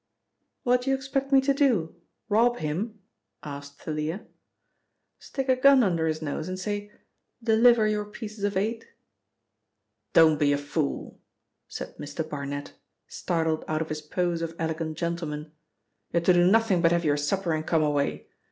"What do you expect me to do? Rob him?" asked Thalia. "Stick a gun under his nose and say, 'Deliver your pieces of eight'?" "Don't be a fool," said Mr. Barnet, startled out of his pose of elegant gentleman. "You're to do nothing but have your supper and come away.